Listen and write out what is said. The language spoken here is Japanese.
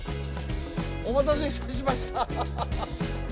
お待たせいたしました。